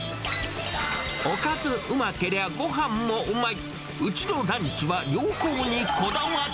おかずうまけりゃ、ごはんもうまい。